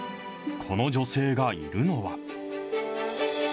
この女性がいるのは。